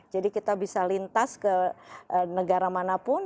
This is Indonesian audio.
jadi kita bisa lintas ke negara manapun